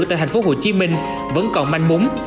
tại thành phố hồ chí minh vẫn còn manh mún